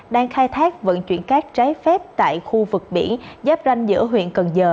đang khai thác vận chuyển cát trái phép tại khu vực biển giáp ranh giữa huyện cần giờ